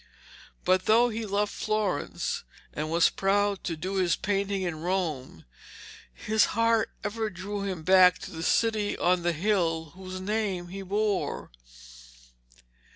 But though he loved Florence and was proud to do his painting in Rome, his heart ever drew him back to the city on the hill whose name he bore.